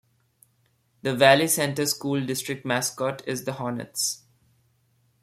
The Valley Center school district mascot is the Hornets.